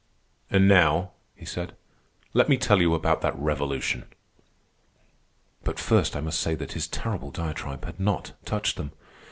"And now," he said, "let me tell you about that revolution." But first I must say that his terrible diatribe had not touched them.